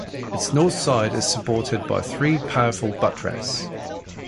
Its north side is supported by three powerful buttress.